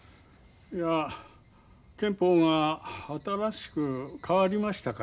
いや憲法が新しく変わりましたからね。